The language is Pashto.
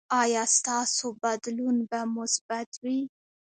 ایا ستاسو بدلون به مثبت وي؟